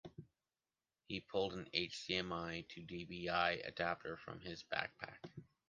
He pulled a HDMI to DVI adapter from his backpack.